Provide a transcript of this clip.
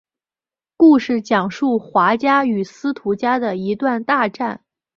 故事讲述华家与司徒家的一段大战。